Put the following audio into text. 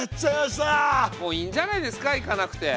もういいんじゃないですか行かなくて。